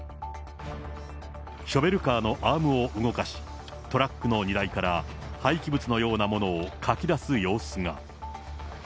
ショベルカーのアームを動かし、トラックの荷台から廃棄物のようなものをかき出す様子が。